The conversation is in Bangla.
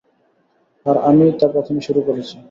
আর আমিই তা প্রথমে শুরু করছি।